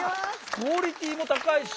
クオリティーも高いし。